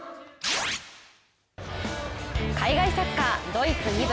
海外サッカー・ドイツ２部